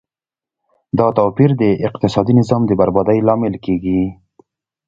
دا توپیر د اقتصادي نظام د بربادۍ لامل کیږي.